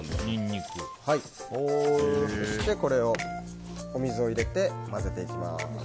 そして、お水を入れて混ぜていきます。